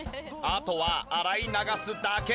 あとは洗い流すだけ！